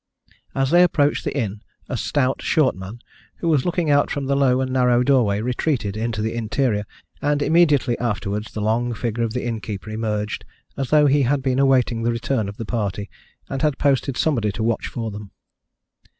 As they approached the inn a stout short man, who was looking out from the low and narrow doorway, retreated into the interior, and immediately afterwards the long figure of the innkeeper emerged as though he had been awaiting the return of the party, and had posted somebody to watch for them.